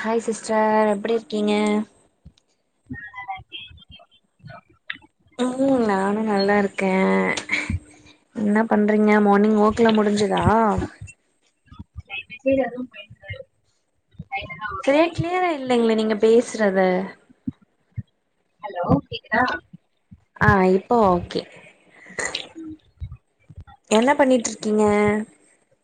Hi sister எப்டி இரு க்கீங்க? [inaudible] ம் நானு நல்லாருக்கே என்ன பண்றீங்க மார்னிங் ஒர் க்லா முடிஞ்சுதா? மெசேஜ் வரவு [unintelligible] செரியா க்ளியரா இல்லெங்ளே நீங்க பேசுறது ஹலோ கேக்குதா? ஆ இப்ப ஓகே கிங்க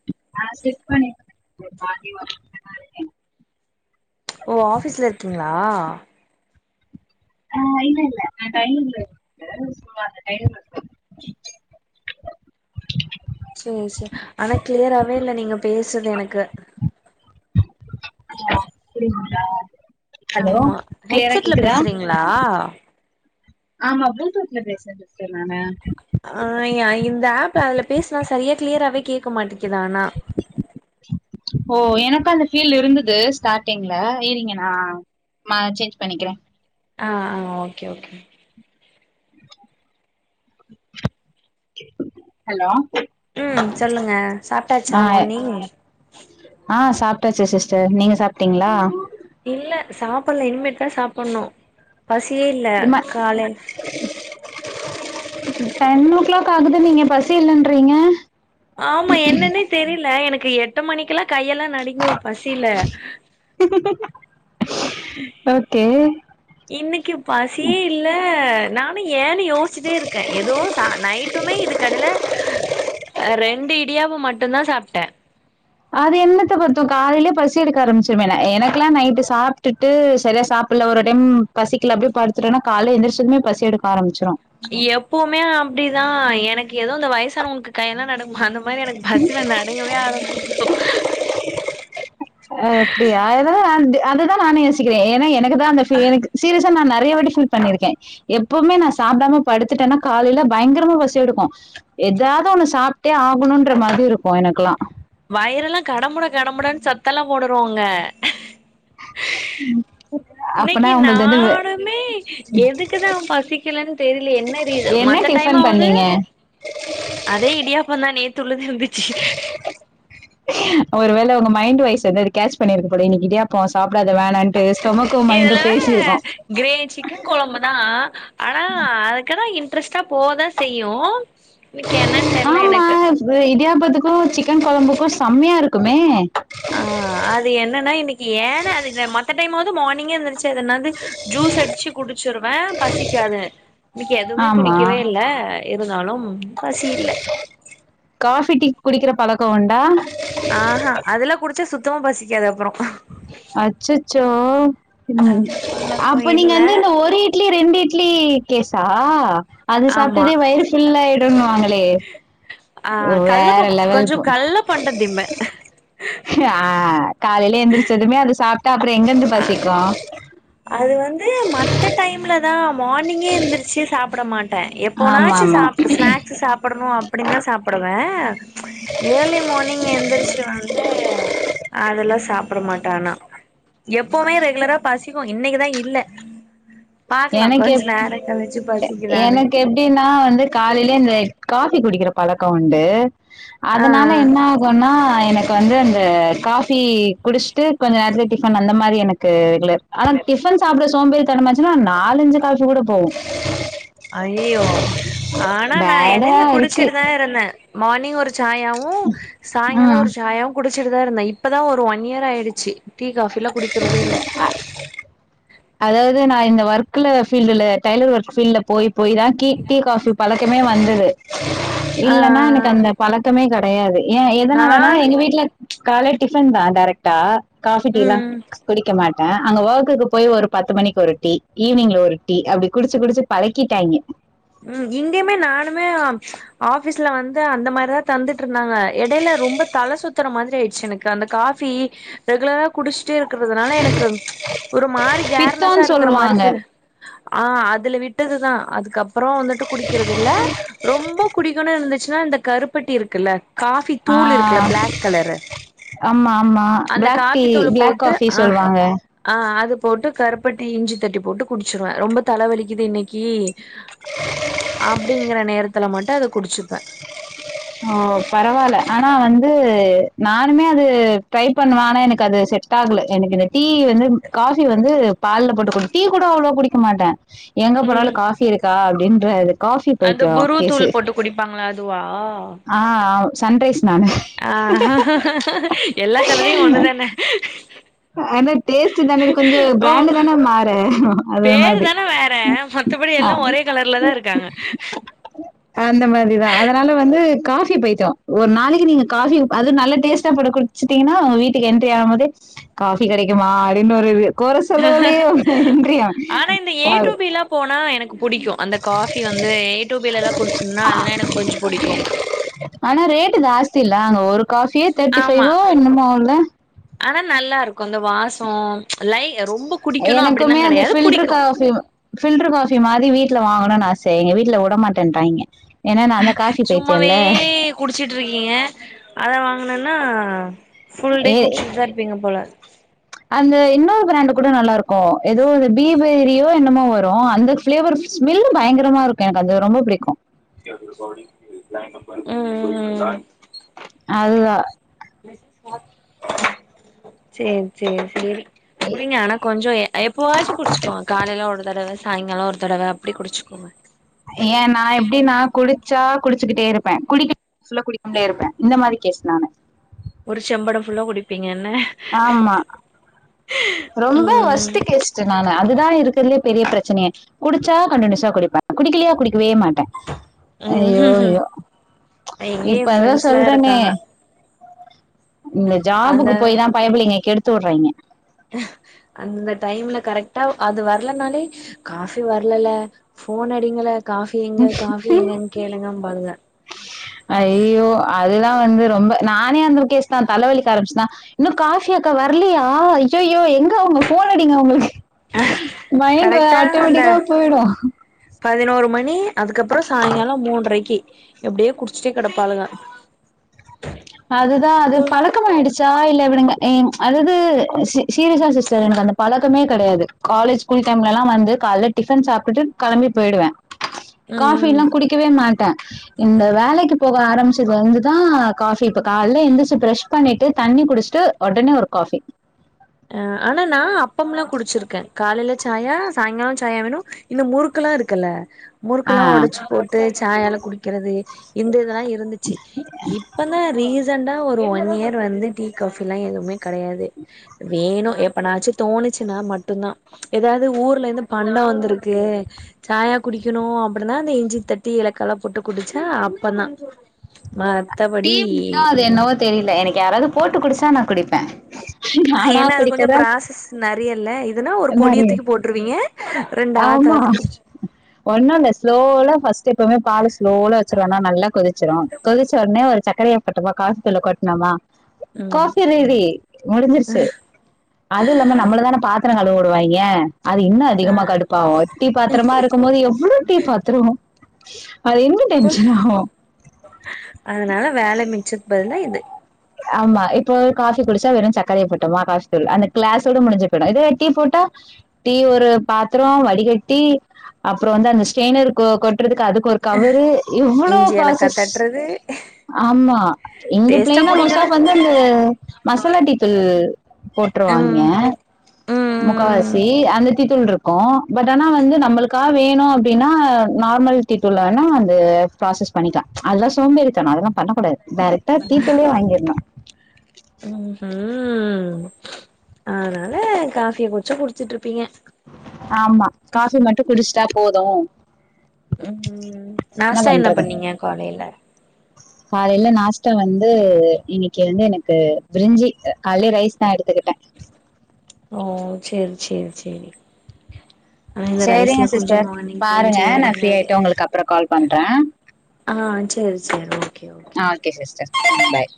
[inaudible] ஓ ஆஃபிஸ்ல இருக்கிங்ளா? ஆ இல்லெல்ல நா [unintelligible] சேர் சே ஆனா கிளியராவே இல்ல நீங்க பேசுறது எனக்கு [unintelligible] அப்புடிங்ளா ஆமா ஹெட்செட்ல பேசுறீங்ளா? ஆமா பளூடூத்ல பேசுறே சிஸ்டர் நானு ஆ இந்த ஆப்ல அதுல பேசுனா சரியா க்ளியராவே கேக்க மாட்டி க்கிது ஆனா ஓ எனக்கு அந்த ஃபீல் இருந்தது ஸ்டார்ட்டிங்ல இரிங்க நா ம சேஞ்ச் பண்ணிக்கிறே ஆ ஆ ஓகே ஓகே ஹலோ ம் சொல்லுங்க சாப்டாச்சா ஆ மார்னிங்? டாச்சு சிஸ்டர் நீங்க சாப்டீங்ளா? இல்ல சாப்புல்ல இனிமேட் தா சாப்புன்னு பசியே இல்ல இம்மா கால டென் ஓ கிளாக் ஆகுது நீங்க பசி இல்லன்றீங்க ஆமா என்னன்னே தெரில எனக் கு எட்டு மணிக்குல்லா கையெல்லா நடிங்கிரு பசில ஓகே இன்னக்கி பசியே இல்ல நானு ஏ ன்னு யோசுச்சிட்டே இருக்கே எதோ சா நைட்டுமே இதுக்கடில அ ரெண்டு இடியாப்பம் மட்டுந்தா சாப்ட்டே அது என்னத்த பத்து காலேயிலயே பசி எடுக்க ஆரம்பிச்சிருமேனா எனக்கெலா நைட்டு சாப்டுட்டு சரியா சாப்டல ஒரு டைம் பசிக்கல அப்டியே படுத்துட்டோம்னா கால எந்துரச்சதுமே பசி எடுக்க ஆரம்பிச்சிரு எப்பவுமே அப்டி நா எனக்கு ஏதோ இந்த வயசான வங்கிட்ட கையெல்லா நடங்கு அந்த மாரி மாதிரி எனக்கு பஸ்ல நடுங்கவே ஆரம்பிச்சக்கு அததா நா யோசிக்கிறே ஏன்னா எனக்கு தா அந்த எனக்கு சீரியஸ் நா நெறயவாட்டி ஃபில் பண்ணிருக்கே எப்வுமே நா சாப்டாம படுத்துட்டே காலேல பயங்கரமா பசி எடுக்கு ஏதாவது ஒன்னு சாப்ட்டே ஆக குனுன்ற மாரி இருக்கு எனக்கெல்லா வயிற எல்லா கடம்முட கடம்முடான்னு சத்தெல்லா போடுருவாங்க [inaudible] அப்பனா இன்னைக்கு உங்கள்து வந்து நானுமே எதுக்குதா பசிக்கலன்னு தெரில என்ன ரீசன் என்ன மத்த டைம் டிஃபன் ஆவது பண்ணீங்க அதே இடியாப்பந்தா உள்ளது இருந்துச்சு ஒரு வேள உங்க மைண்ட் வைஸ் ஏதோ கேச் பண்ணிருக்கு போல இன்னிக்கு இடியாப்ப சாப்டாத வேணா இதுல வேற கிரேவி சிக்கன் கொழம்பு தா ஆனா அதுக்குதா இன் இன்ரஸ்டா போதா செய்யு இன்னைக்கு என்னான்னு தெர்ல ஆமா எனக்கு இது இடியாப்பத்துக்கும் சிக்கன் கொழம்புக்கு செம்மையா இருக்குமே ஆ அது என்னன்னா இன்னைக்கு ஏன்னா அது மத்த டைமாவது மானிங்கே எந்துருந்துச்சு எனது ஜூஸ் அடிச்சு குடிச்சிருவே பசிக்காது இன்னைக்கு எதுவுமே ஆமா குடிக்கவே இல்ல எதுனாலு உம் பசி இல்ல காஃபி டீ குடிக்கிற பழக்க உண்டா ஆஹ அதெல்லா குடுச்சா சுத் சுத்தமா பசிக்காது அப்றோ அச்சச்சோ உம் அந்த பழக்கோ அப்ப நீங்க இல்ல வந்து இந்த ஒரு இட்லி ரெண்டு இட்லி கேஸ் சா அது ஆமா சாப்ட்டதே வயிறு ஃபுல் ஆயிடு வாங்களே ஆ கல்ல வேற லெவல் கொஞ்சோ கல்ல பண்டோ திம்பே ஆ காலேயே எந்திரிச்சதுமே அத சாப்ப தா அப்புறம் எங்கந்து பசிக்கும் அது வந்து மத்த டைம்ல தா மார்னிங்கே எந்திருச்சி சாப் ப்பட மாட் பா ஆமா எப்போனாச்சும் ஆமா சாப்ட்டு ஸ்நாக்ஸ் சாப்படணும் அப் அப்டின்னா சாப்டுவேன் ஆ இயர்லி மார்னிங் எந்திரிச்சி வந்து அதெல்லாம் சாப்பட மாட்டானா எப்பவுமே ரெகுலரா பசி க்கும் இன்னைக்குதா இல்ல பாக்கலா எனக்கு கொஞ்ச எப் நேர கழிச்சு பசிக்குதான்னு எனக்கு எப்டின்னா வந்து காலையிலே இந்த காஃபி குடிக்கிற பழக்கம் உண்டு ஆ அதனால என்ன ஆகுன்னா எனக்கு இப்ப வந்து அந்த காஃபி குடிச்சிட்டு கொஞ்சம் நேரத்துலே டிஃபன் அந்த மாரி எனக்கு இல்ல ஆனா டிஃபன் சாப்ட சோம்பே தன்ன மஜிருவான் நாலஞ்சு காசு கூட போ அய்யயோ ஆனா நான் பேடா எடையில இருக்கு குடிச்சிட்டு தான் இருந்தன் மார்னிங் ஒரு சாயாவும் சாய்ங்காலம் ம் ஒரு சாயாவும் குடி ச்சிட்டுதான் இருந்தன் இப்பதான் ஒரு ஒன் இயர் ஆயிடுச்சி டீ காஃபிலாம் குடிக்கிறதே இல்ல அதாவது நான் இந்த ஒர்க்ல ஃபீல்டுல டைலர் ஒர்க் ஃபீல்ட்ல போய் போயி தான் கி டீ காஃபி பழக் கமே வந்தது ஆ இல்லன்னா எனக்கு அந்த பழக்கமே க டையாது ஏ எதனாலனா நான் எங்க வீட்ல கால்ல டிஃபன் தா டேரெக்ட்டா காஃபி டீலாம் ம் குடிக்க மாட் ட்டே அங்க வொர்க்குக்கு போய் ஒரு பத்து மணிக்கு ஒரு டீ ஈவினிங்ல ஒரு டீ அப்டி குடிச்சு குடிச்சு பழக்கிட்டாய்ங்க. ம் இங்கயுமே நானுமே ஆஃபீஸ்ல வந்து அந்த மாரிதா தந்து ட்ருந்தாங்க எடையில ரொம்ப தல சுத்தற மாதிரி ஆயிடு ச்சு எனக்கு அந்த காஃபி ரெகுலரா குடிச்சுட்டே இரு க்கிறதுனால எனக்கு ஒரு மாரி கேர்னஸா பித்தோன்னு இருக்கற மாரி சொல்லுவாங்க ஃபீலு ஆ அதுல விட்டதுதா அதுக்கப் பறோ வந்துட்டு குடிக்கிறது இல்ல ரொம்ப குடிக்கனுன் இருந்துச்சு க்சுவலா இந்த கருப்பட்டி இரு க்கல்ல காஃபி தூளு இருக்கல்ல ஆஹ் பிளாக் கலரு ஆமா ஆமா பிளாக் டீ பிளாக் காஃபி ஆ சொல்வாங்க. ஆ அது போட்டு கருப்பட்டி இஞ்சி தட்டி போட்டு குடிச்சிருவே. ரொம்ப தல வலிக்குது இன்னைக்கி அப்டிங்கற நேரத்துல மட்டு அத குடிச்சுப்பே நா வந்து நானுமே அது ட்ரை பண்ணுவ ஆனா எனக்கு அது செட் ஆகல எனக்கு இது டீ வந்து காஃபி வந்து பால்ல போட்டு குடி டீ கூட அவ்ளோ குடிக்க மாட்டே எங்க போனாலு ம் காஃபி இருக்கா அ ப்டின்றாரு அந்த புரூ தூள் போட்டு குடிப்பாங்கல்ல அதுவா? ஆ அ சன்ரைஸ் நானு. ஆ எல்லா கழுதையு ஒண்ணுதான ஆனா டேஸ்ட்டுதான கொஞ்ச ஓ பிராண்டுதான மாறு அது பேரு மாதிரி தான வேற மத்தபடி ஆ எல்லா ஒரே கலர்ல தா இருக்காங்க அந்த மாதிரிதா அதனால வந்து காஃபி பைத்தியோ ஒரு நாளைக்கி நீங்க காஃபி அது நல்ல டேஸ்ட்டா போட்டு குடிச்சிட்டீங்கன்னாங்க வீட்டுக்கு என்ட்ரி ஆகும் போதே காஃபி கெடைக்குமா அப்டினு ஒரு இழு ஆனா இந்த ஏ டூ ஆகும் பி எல்லா போனா எனக்கு புடிக்கும் அந்த காஃபி வந்து ஏ டூ பி ல எல்லா குடிச்சன்னா அதல்லா எனக்கு கொஞ்ச புடிக்கு. தி இல்ல அங்க ஒரு காஃபியே தேர்ட்டி ஆமா ஃபைவோ என்னமோ இல்ல ஆனா நல்லா இரு க்கு அந்த வாசோ லை ரொம்ப குடிக்கணு அப்டின்லா எனக்குமே அந்த கெடையாது பில்டர் புடிக்கு காபி பில்டர் காஃபி மாரி வீட்டு வீட்ல வாங்கணும்னு ஆசை எங்க வீட்டுல விடமாட்டேன்ன்றாங்க சும்மாவே குடுச்சுட்டு இருக்கீங்க அத வாங்கினோம்ன்னா புல் டே ஏ குடிச்சிட்டு தான் இருப்பீங்க போல அந்த இன்னொரு பிராண்ட் கூட நல்லா இருக்கும் ஏதோ பீப் பெரியோ என்னமோ வரும் அந்த ஸ்பிலெவர் ஸ்மெல்ல பயங்கரமா இருக்கும் எனக்கு அது ரொம்ப பிடிக்கும் ம் ம் ம் அதுதான் செர் செரி செரி ஏ- அப்படிங்க ஆனா கொஞ்சம் எப்போவாச்சும் குடிச்சுக்கோங்க காலையிலாம் ஒரு தடவை சாய்ங்காலம் ஒரு தடவை அப்படினு குடிச்சுக்கோங்க ஏன் நான் எப்படின்னா குடிச்சா குடிச்சுக்கிட்டே இருப்பேன் குடிக்க சொன்ன குடிக்கிட்டே இருப்பேன் இந்த மாதிரி கேஸ் நானு ஒரு செம்படம் ஃபுல்லா குடிப்பேன் ஆமா ரொம்ப ம் ஒஸ்டு கேஸ் நானு அதுதான் இருக்குறதுலே பெரிய பிரச்சனையே குடிச்சா கண்டுனிசா குடிப்பேன் குடிக்கலையா குடிக்க குடிக்கவே மாட்டேன் ஐயோ ம் யோ எங்க எ இப்பதா ஃப்ரெண்ட்ஸ்லா சொல்றேன்னே இருக்காங்க இந்த ஜாபுக்கு அந்த போய் தான் பயப்பலங்க கெடுத்து துறைங்க அந்த டைம்ல கரெக்டா அது வரலனாலே காபி வரலல போன் அடிங்கல காபி எங்க காபி எங்க கேளுங்க அப்படின்பாங்க நான் வந்து ரொம்ப நானே அந்த கேஸ் தான் தலைவலிக்க ஆரம்பச்சுதான் இன்னும் காஃபி அக்கா வரலையா ஐயய்யோ எங்க உங்க போன் அடிங்க உங்களுக்கு மைண்ட கரெக்டா அந்த ஆட்டோமேட்டிக்க போய்டும் பதினோரு மணி அதுக்கப்புறம் சாயங்காலம் மூன்றரைக்கு எப்படியோ குடிச்சிட்டே கிடப்பாளுங்க அதுதான் அது பழக்கமாயிடுச்சு சா இல்லை இவனுங்க என்ன அதாவது சீரியஸா சிஸ்டர் எனக்கு அந்த பழக்கமே கிடையாது காலேஜ் ஸ்கூல் டைம்லலாம் வந்து காலைல டிஃபன் சாப்பிட்டுட்டு கிளம்பி போயிடுவேன் ம் காபி ம் எல்லாம் குடிக்கவே மாட்டேன் இந்த வேலைக்கு போக ஆரம்பிச்சது வந்துதான் காபி இப்ப கால்ல எந்திருச்சு ப்ரஷ் பண்ணிட்டு தண்ணி குடிச்சட்டு உடனே ஒரு காபி அஹ் ஆனா நான் அப்பம் எல்லாம் குடிச்சிருக்கேன் காலையில சாயா சாயங்காலம் சாயா வேணும் இந்த முறுக்கெல்லாம் இருக்குல்ல ஆ. முறுக்கெல்லா ஒடச்சு போட்டு சாயால குடிக்குறது இந்த இதெல்லா இருந்துச்சு இப்பதா ரீ ரிசெண்டா ஒரு ஒன் இயர் வந்து டீ காபி எல்லா எதுவுமே கெடயாது வேணு எப்பனாச்சு தோணுச்சுன்னா மட்டும்தா ஏதாவது ஊர்ல இருந்து பண்ட வந்திருக்கு சாயா குடிக்கணு அப்டினா அந்த இஞ்சி தட்டி ஏலக்க எல்லா போட்டு குடிச்சே அப்பதா டீ மட்டு அது என்னவோ தெரியல எனக்கு யாராவது போட்டு குடிச்சா நா குடிப்பே நானா ஏன்னா அது கொஞ்சோ குடிக்கதா ப்ராசஸ் நெறயல்ல இது ரெண்டு ஆத்து ஆமா ஆத்து குடிச்சு ஒன்னு இல்ல ஸ்லோல பஸ் எப்போமே பால ஸ்லோல வச்சிருவேனா நல்லா கொதிச்சிரு கொதிச்ச ஒன்னே ஒரு சக்கரய போட்டோம்மா காபி தூள கொட்னமா ம் காபி ரெடி முடிஞ்சிருச்சு அது இல்லாம நம்மளதான பாத்த எத்தன நாள் ஓடுவாங்க அது இன்னு ஆ அதிகமா கடுப்பாவோ டீ பாத்திரமா இருக்கும் போது எவ்ள டீ பாத்றோ [inaudible] அது இன்னு டென்ஷன் ஆகு அதனால வேல மிச்சது அதுக்கு பதிலா இது ஆமா இப்போ காஃபி குடிச்சா வெறு சக்கரய போட்டோம்மா காபி தூள் அந்த கிளாஸோட முடிஞ்சு போயிடும் இதுவே டீ போட்டா டீ ஒரு பாத்ரோ வடிகட்டி அப்றோ வந்து அந்த ஸ்டெய்னர் கொ க்கு அதுக்கு ஒரு கவரு எவ்வளோ இஞ்சி ஏலக்கா ப்ராசஸ் தட்டுறது ஆமா இங்க டேஸ்ட்டா பிள்ளைன்னா மோஸ்ட் சோ குடிக்கணு வந்து அந்த மசாலா டீத்தூள் போட்டுருவாங்க ம் ம் முக்கவாசி அந்த டீ தூள் இருக்கு இரு பட் ஆனா வந்து நம்மளுக்கா வேணு அப்டினா நார்மல் டீ தூள் வேணா வந்து ப்ராசஸ் பண்ணிக்லா அதெல்லா சோம்பேறித்தனோ அதெல்லா பண்ணக்கூடாது டைரக்டா டீத்தூலே வாங்கிர்லா [inaudible] உம் உஹம் அதனால காஃபிய குடுச்சு குடிச்சுட்டு இருப்பீங்க ஆமா காபி மட்டு குடுச்ட்டா போது உம் நாஸ்டா என்னா பண்ணீங்க காலேல காலைல நாஸ்டா வந்து இன்னைக்கு வந்து எனக்கு பிரிஞ்சி காலேய ரைஸ் தா எடுத்துக்கிட்டே ஓ சேரி சேரி சேரி ஆனா இந்த சேரிங்க ரைஸ்ல கொஞ்சோ சிஸ்டர் மார்னிங் பாருங்க கொஞ்சோ நா ஃப்ரீ எறங்காது ஆயிட்டு உங்களுக்கு அப்புறோ கால் பண்ற ஆ சேரி சேரி ஓகே ஆ ஓகே சிஸ்டர் பாய்